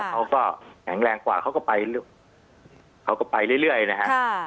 เขาก็แข็งแรงกว่าเขาก็ไปเขาก็ไปเรื่อยนะฮะ